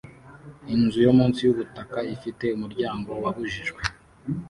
Inzu yo munsi y'ubutaka ifite umuryango wabujijwe